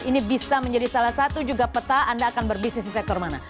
ini bisa menjadi salah satu juga peta anda akan berbisnis di sektor mana